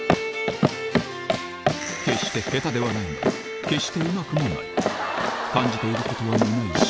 決して下手ではないが決してうまくもない感じていることは皆一緒